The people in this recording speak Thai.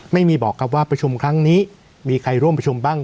ไม่มีบอกครับว่าประชุมครั้งนี้มีใครร่วมประชุมบ้าง